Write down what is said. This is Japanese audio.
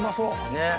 ねっ。